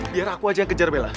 biar aku aja yang kejar bella